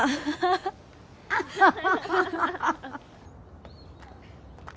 アハハハ。